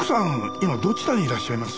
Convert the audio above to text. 今どちらにいらっしゃいます？